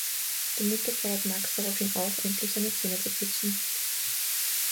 Die Mutter fordert Max daraufhin auf, endlich seine Zähne zu putzen.